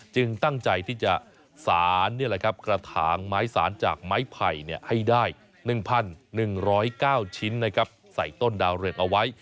ตั้งใจที่จะสารกระถางไม้สารจากไม้ไผ่ให้ได้๑๑๐๙ชิ้นใส่ต้นดาวเรืองเอาไว้